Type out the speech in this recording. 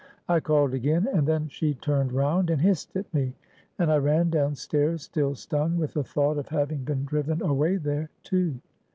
I called again, and then she turned round and hissed at me; and I ran down stairs, still stung with the thought of having been driven away there, too.